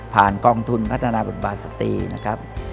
ผ่านกองทุนพัฒนาบัตรบาทสตรีนะครับ